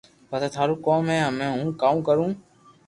پسي ٿارو ڪوم ھي ھمي ھون ڪاو ڪرو